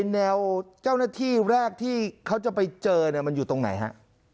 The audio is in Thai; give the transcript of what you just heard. แนวเจ้าหน้าที่แรกที่เขาจะไปเจอมันอยู่ตรงไหนฮะ